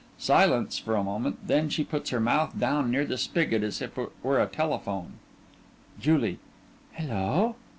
Silence for a moment then she puts her mouth down near the spigot as if it were a telephone_) JULIE: Hello!